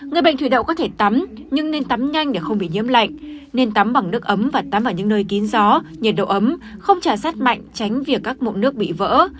người bệnh thủy đậu có thể tắm nhưng nên tắm nhanh để không bị nhiễm lạnh nên tắm bằng nước ấm và tắm vào những nơi kín gió nhiệt độ ấm không trả sát mạnh tránh việc các mụn nước bị vỡ